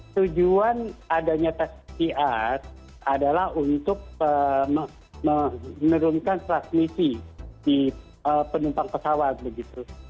tujuan adanya tes pcr adalah untuk menurunkan transmisi di penumpang pesawat begitu